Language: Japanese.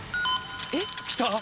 えっ？来た？